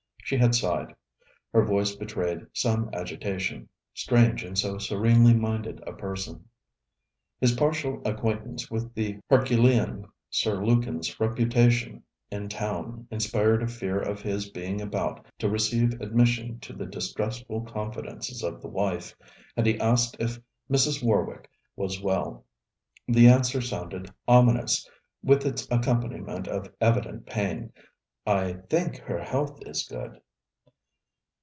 She had sighed: her voice betrayed some agitation, strange in so serenely minded a person. His partial acquaintance with the Herculean Sir Lukin's reputation in town inspired a fear of his being about to receive admission to the distressful confidences of the wife, and he asked if Mrs. Warwick was well. The answer sounded ominous, with its accompaniment of evident pain: 'I think her health is good.'